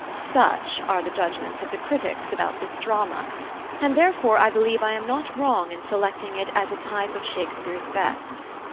Such are the judgments of the critics about this drama, and therefore I believe I am not wrong in selecting it as a type of Shakespeare's best.